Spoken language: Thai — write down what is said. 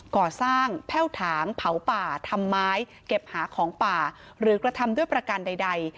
ก่อสร้างแพ่วถางเผาป่าทำไม้เก็บหาของป่าหรือกระทำด้วยประการใด